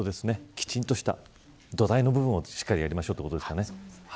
きちんとした土台の部分をしっかりやりましょうということですね。